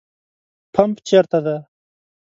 پمپ چیرته ده؟